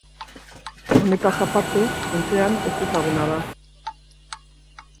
Honetaz aparte, funtsean ezezaguna da.